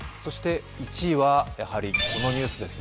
１位は、やはりこのニュースですね。